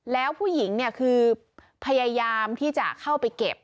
แล้วผู้หญิงเนี่ยคือพยายามที่จะเข้าไปเก็บ